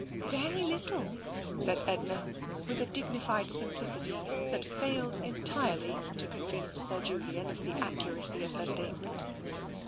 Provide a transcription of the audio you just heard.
"" Very little," said Edna, with a dignified simplicity that failed entirely to convince Sir Julian of the ac curacy of her statement.